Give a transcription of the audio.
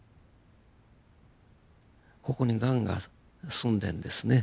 ここにガンがすんでんですね。